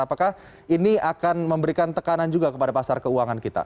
apakah ini akan memberikan tekanan juga kepada pasar keuangan kita